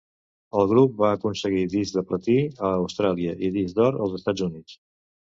El grup va aconseguir disc de platí a Austràlia i disc d'or als Estats Units.